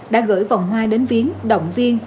đã gửi vòng hoa đến viến động viên